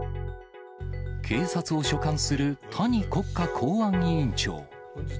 警察を所管する谷国家公安委員長。